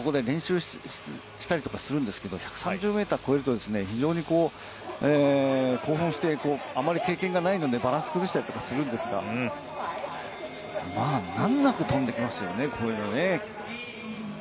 日本の選手もここで練習したりとかするんですけど、１３０メートルを越えると非常に興奮して、あまり経験がないので、バランスを崩したりするんですが、難なく飛んできますよね。